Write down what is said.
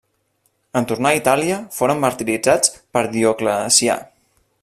En tornar a Itàlia, foren martiritzats per Dioclecià.